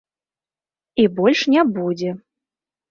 І больш не будзе.